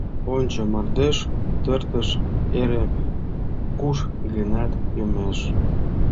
— Ончо, мардеж-тыртыш эре куш-гынат йомеш.